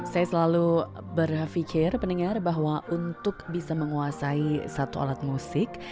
saya selalu berpikir pendengar bahwa untuk bisa menguasai satu alat musik